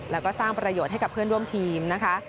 แล้วก็สร้างประโยชน์ให้กับเพื่อนร่วมทีมนะคะ